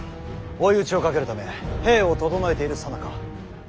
追い打ちをかけるため兵を調えているさなか。